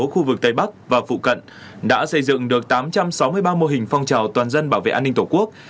khu vực tây bắc và phụ cận đã xây dựng được tám trăm sáu mươi ba mô hình phong trào toàn dân bảo vệ an ninh tổ quốc